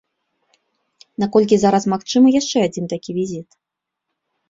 Наколькі зараз магчымы яшчэ адзін такі візіт?